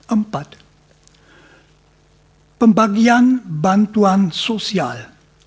empat pembagian bantuan sosial